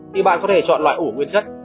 thì bạn có thể chọn loại ủ nguyên chất